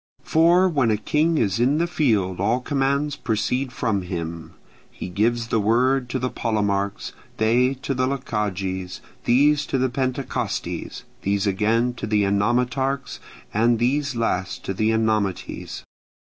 For when a king is in the field all commands proceed from him: he gives the word to the Polemarchs; they to the Lochages; these to the Pentecostyes; these again to the Enomotarchs, and these last to the Enomoties.